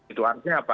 itu artinya apa